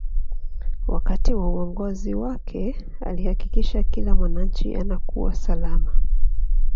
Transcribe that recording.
wakati wa uongozi wake alihakikisha kila mwananchi anakuwa salama